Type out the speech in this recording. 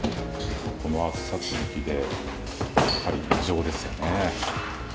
この暑さ続きで、やっぱり異常ですよね。